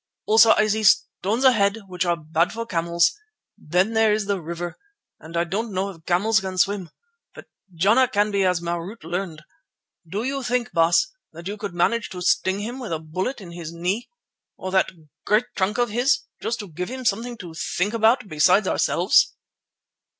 Also I see stones ahead, which are bad for camels. Then there is the river, and I don't know if camels can swim, but Jana can as Marût learned. Do you think, Baas, that you could manage to sting him up with a bullet in his knee or that great trunk of his, just to give him something to think about besides ourselves?"